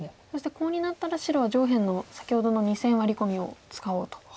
そしてコウになったら白は上辺の先ほどの２線ワリ込みを使おうと。